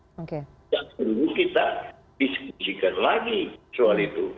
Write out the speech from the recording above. tidak perlu kita diskusikan lagi soal itu